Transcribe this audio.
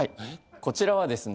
こちらはですね。